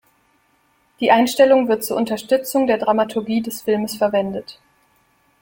Die Einstellung wird zur Unterstützung der Dramaturgie des Filmes verwendet.